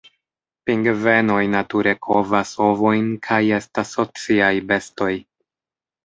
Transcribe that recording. Pingvenoj nature kovas ovojn kaj estas sociaj bestoj.